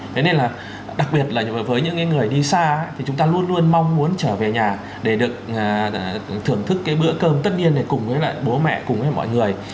thế nên là đặc biệt là với những người đi xa thì chúng ta luôn luôn mong muốn trở về nhà để được thưởng thức cái bữa cơm tất niên này cùng với lại bố mẹ cùng với mọi người